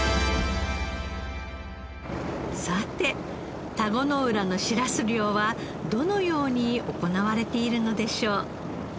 さて田子の浦のしらす漁はどのように行われているのでしょう？